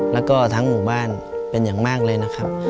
แล้วก็ทั้งหมู่บ้านเป็นอย่างมากเลยนะครับ